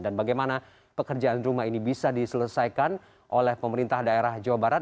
dan bagaimana pekerjaan rumah ini bisa diselesaikan oleh pemerintah daerah jawa barat